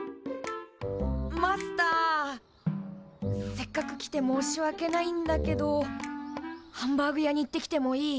マスターせっかく来て申し訳ないんだけどハンバーグ屋に行ってきてもいい？